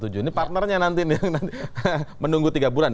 ini partnernya nanti menunggu tiga bulan